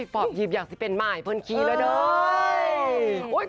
พอบหยิบอย่างสิเป็นไม้เพิ่งขี่แล้วด้วย